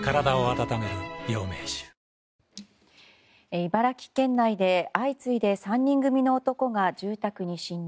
茨城県内で相次いで３人組の男が住宅に侵入。